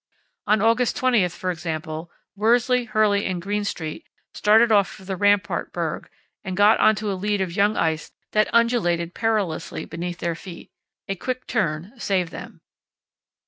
On August 20, for example, Worsley, Hurley, and Greenstreet started off for the Rampart Berg and got on to a lead of young ice that undulated perilously beneath their feet. A quick turn saved them.